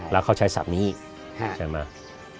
แล้วเขาใช้ศัพท์นี้อีกใช่ไหม